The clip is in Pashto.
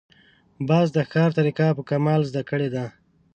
باز د ښکار طریقه په کمال زده کړې ده